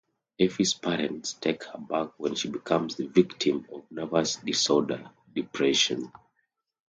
Effi's parents take her back when she becomes the victim of nervous disorder, depression.